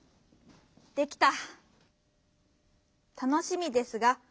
できた。